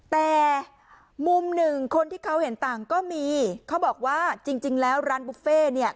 แต่มุมหนึ่งคนที่เขาเห็นต่างก็มีเขาบอกว่าจริงแล้วร้านบุฟเฟ่เนี่ย